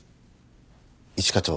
一課長